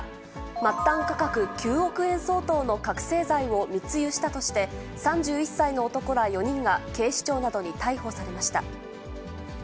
末端価格９億円相当の覚醒剤を密輸したとして、３１歳の男ら４人が警視庁などに逮捕されました。